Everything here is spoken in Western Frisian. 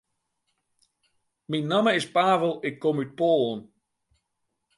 Myn namme is Pavel, ik kom út Poalen.